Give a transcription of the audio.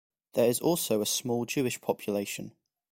There is also a small Jewish population.